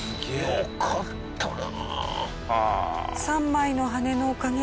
よかったな。